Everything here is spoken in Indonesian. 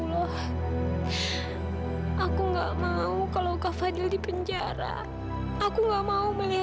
sampai jumpa di video selanjutnya